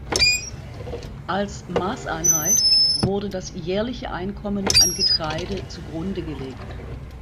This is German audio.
Als Maßeinheit wurde das jährliche Einkommen an Getreide zugrunde gelegt.